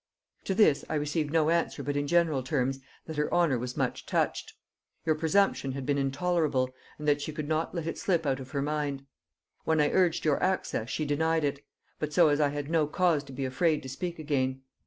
To this I received no answer but in general terms, that her honor was much touched; your presumption had been intolerable, and that she could not let it slip out of her mind. When I urged your access she denied it, but so as I had no cause to be afraid to speak again.